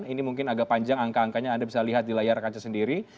ini mungkin agak panjang angka angkanya anda bisa lihat di layar kaca sendiri